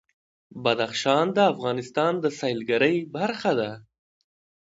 بدخشان د افغانستان د سیلګرۍ برخه ده.